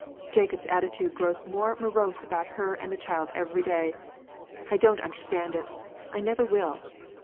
Jacob's attitude grows more morose about her and the child every day. I don't understand it. I never will.